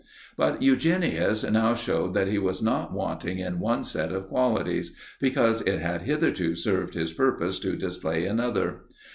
But Eugenius now showed that he was not wanting in one set of qualities, because it had hitherto served his purpose to display another.